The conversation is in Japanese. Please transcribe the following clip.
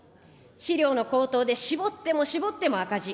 飼料の高騰で搾っても搾っても赤字。